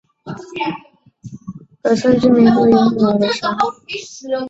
本村居民多以务农为生。